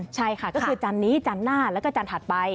ใช่ค่ะก็คือจันนี้จันทร์หน้าแล้วก็จันทัดไป